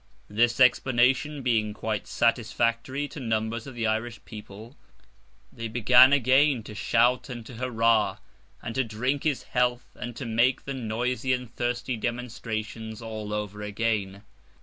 This explanation being quite satisfactory to numbers of the Irish people, they began again to shout and to hurrah, and to drink his health, and to make the noisy and thirsty demonstrations all over again.